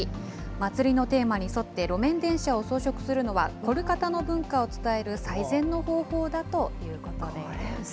祭りのテーマに沿って、路面電車を装飾するのは、コルカタの文化を伝える最善の方法だということです。